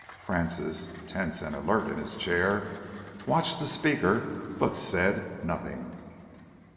Francis, tense and alert in his chair, watched the speaker but said nothing.